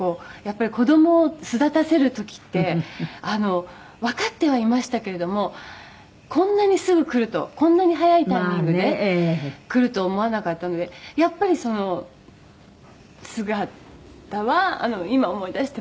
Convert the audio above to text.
「子供を巣立たせる時ってわかってはいましたけれどもこんなにすぐ来るとこんなに早いタイミングで来ると思わなかったのでやっぱりその姿は今思い出しても」